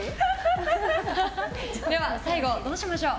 最後、どうしましょう。